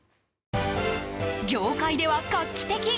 業界では画期的。